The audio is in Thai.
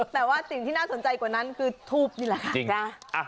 แต่ว่าสิ่งที่น่าสนใจกว่านั้นคือทูบนี่แหละค่ะ